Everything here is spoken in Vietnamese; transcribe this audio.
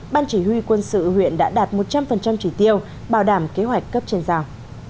ban chỉ huy quân sự huyện đã đạt một trăm linh chỉ tiêu bảo đảm kế hoạch cấp trên giao